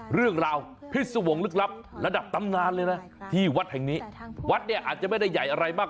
เรื่องราวผิดส่วงลึกลับภาพไม่ไกลแต่รูปปั้นหงหงหยักษ์ใหญ่มาก